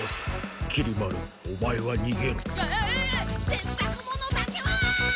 せんたく物だけは！